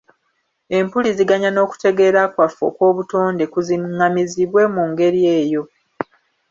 Empuliziganya n'okutegeera kwaffe okw'obutonde kuziŋŋamizibwe mu ngeri eyo